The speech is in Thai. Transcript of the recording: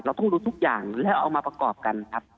ต้องรู้ทุกอย่างแล้วเอามาประกอบกันครับ